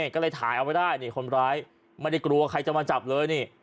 ก็เลยถ่ายเอาไว้ได้นี่คนร้ายไม่ได้กลัวใครจะมาจับเลยนี่